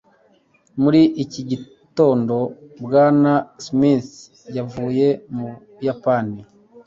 muri iki gitondo, bwana smith yavuye mu buyapani